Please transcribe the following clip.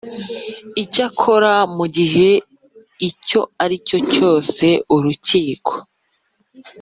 Icyakora mu gihe icyo ari cyo cyose urukiko